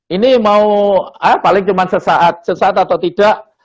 ini mau paling cuma sesaat sesat atau tidak